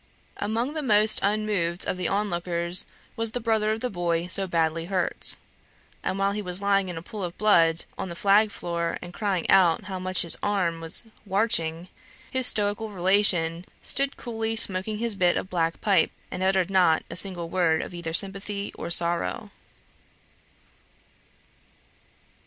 Among the most unmoved of the lookers on was the brother of the boy so badly hurt; and while he was lying in a pool of blood on the flag floor, and crying out how much his arm was "warching," his stoical relation stood coolly smoking his bit of black pipe, and uttered not a single word of either sympathy or sorrow.